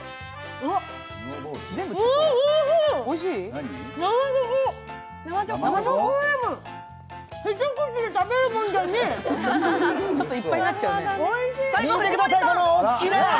うわっ、おいひい。